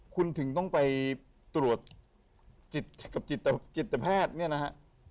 คุณถึงต้องไปตรวจจิตกับจิตแพทย์เนี่ยนะฮะ